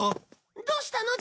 どうしたの？